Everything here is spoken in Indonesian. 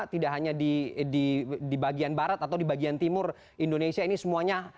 tidak hanya di bagian barat atau di bagian timur indonesia ini semuanya